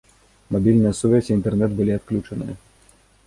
Мабільная сувязь і інтэрнэт былі адключаныя.